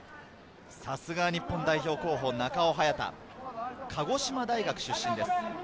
さすが日本代表候補・中尾隼太、鹿児島大学出身です。